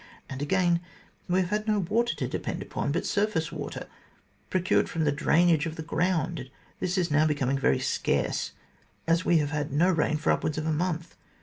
And again we have had no water to depend upon but surface water, procured from the drainage of the ground ; and this is now becoming very scarce, as we have had no rain for upwards of a month.